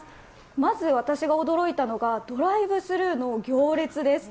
まず私が驚いたのがドライブスルーの行列です。